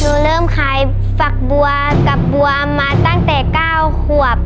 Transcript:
เริ่มขายฝักบัวกับบัวมาตั้งแต่๙ขวบ